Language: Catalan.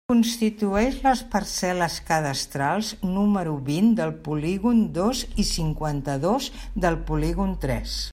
Constitueix les parcel·les cadastrals número vint del polígon dos i cinquanta-dos del polígon tres.